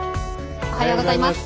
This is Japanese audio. おはようございます。